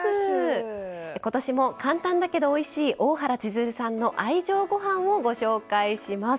今年も簡単だけどおいしい大原千鶴さんの愛情ごはんをご紹介します。